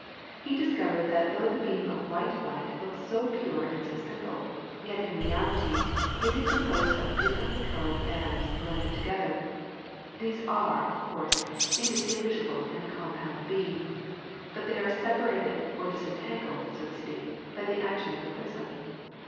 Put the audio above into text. He discovered that though the beam of white light looks so pure and so simple, yet in reality it is composed of differently coloured lights blended together. These are, of course, indistinguishable in the compound beam, but they are separated or disentangled, so to speak, by the action of the prism.